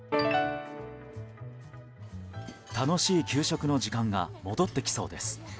楽しい給食の時間が戻ってきそうです。